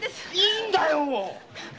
いいんだよ